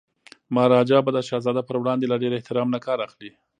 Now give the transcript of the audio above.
مهاراجا به د شهزاده پر وړاندي له ډیر احترام نه کار اخلي.